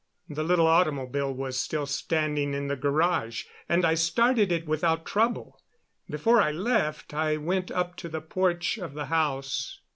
The little automobile was still standing in the garage, and I started it without trouble. Before I left I went up to the porch of the house.